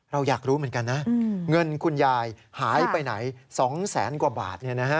เราอยากรู้เหมือนกันนะเงินคุณยายหายไปไหน๒แสนกว่าบาท